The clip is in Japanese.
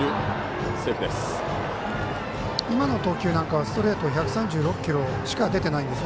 今の投球なんかはストレート１３６キロしか出てないんです。